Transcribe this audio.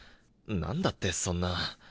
何だってそんな。